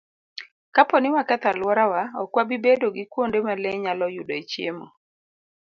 Kapo ni waketho alworawa, ok wabi bedo gi kuonde ma le nyalo yudoe chiemo.